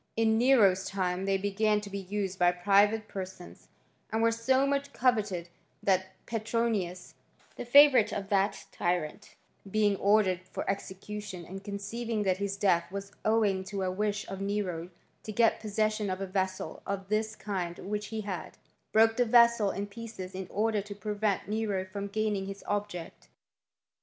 In Nero's time they began to be used by private per sons ; and were so much coveted that Petronius, the favourite of that tyrant, being ordered for execution, and conceiving that his death was owing to a wish of Nero to get possession of a vessel of this kind which he had, broke the vessel in pieces in order to prevent Nero from gaining his object.